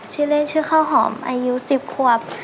ชื่อเล่นชื่อข้าวหอมอายุ๑๐ควบ